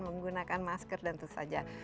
menggunakan masker dan tentu saja